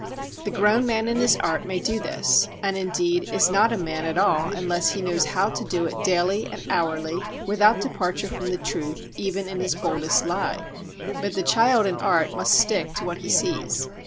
The grown man in his art may do this, and indeed is not a man at all unless he knows how to do it daily and hourly without departure from the truth even in his boldest lie; but the child in art must stick to what he sees.